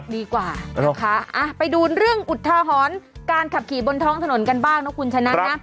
ดีกว่านะคะไปดูเรื่องอุทาหรณ์การขับขี่บนท้องถนนกันบ้างนะคุณชนะนะ